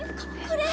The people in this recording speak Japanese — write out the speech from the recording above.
これ！